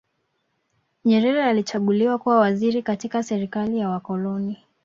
nyerere alichaguliwa kuwa waziri katika serikali ya wakoloni